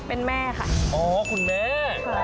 เป็นแม่ค่ะอ๋อคุณแม่